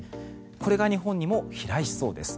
これが日本にも飛来しそうです。